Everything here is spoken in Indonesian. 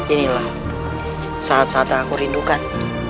inilah saat saat aku rindukan